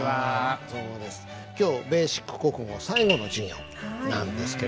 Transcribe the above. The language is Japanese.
今日「ベーシック国語」最後の授業なんですけれども。